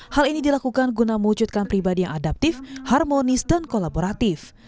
hal ini dilakukan guna mewujudkan pribadi yang adaptif harmonis dan kolaboratif